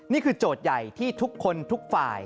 โจทย์ใหญ่ที่ทุกคนทุกฝ่าย